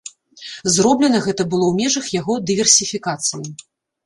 Зроблена гэта было ў межах яго дыверсіфікацыі.